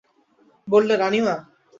বললে, রানীমা।